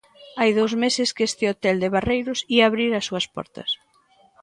Hai dous meses que este hotel de Barreiros ía abrir as súas portas.